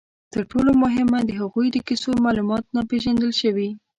تر ټولو مهمه، د هغوی د کیسو معلومات ناپېژندل شوي.